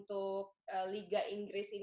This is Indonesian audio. sekarang saya pengen dengar dari mas iman